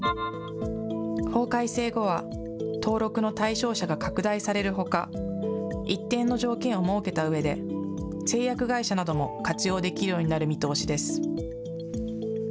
法改正後は、登録の対象者が拡大されるほか、一定の条件を設けたうえで、製薬会社なども活用できるようになる見通しです。